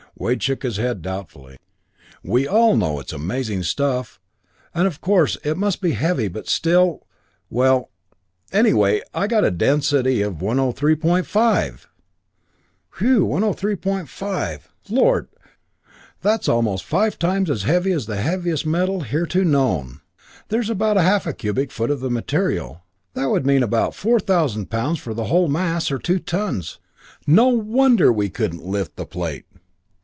Wade shook his head doubtfully. "We all know it's amazing stuff and of course, it must be heavy but still well, anyway, I got a density of 103.5!" "Whewww 103.5! Lord! That's almost five times as heavy as the heaviest metal hitherto known. There's about half a cubic foot of the material; that would mean about 4000 pounds for the whole mass, or two tons. No wonder we couldn't lift the plate!"